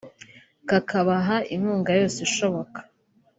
kakabaha inkunga yose ishoboka